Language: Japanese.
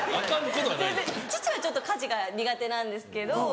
父はちょっと家事が苦手なんですけど。